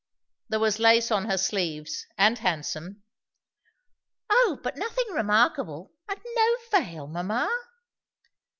"There was lace on her sleeves and handsome." "O but nothing remarkable. And no veil, mamma?"